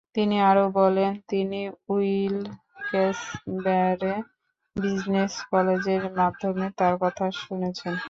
তিনি আরও বলেন, তিনি উইলকেস-ব্যারে বিজনেস কলেজের মাধ্যমে তার কথা শুনেছেন।